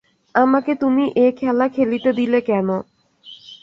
আমাকে তুমি এ খেলা খেলিতে দিলে কেন।